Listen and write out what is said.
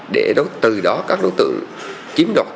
để từ đó các đối tượng chiếm đặt tài khoản